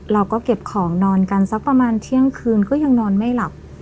เราก็เก็บของนอนกันสักประมาณเที่ยงคืนก็ยังนอนไม่หลับ